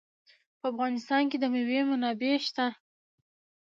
په افغانستان کې د مېوې منابع شته.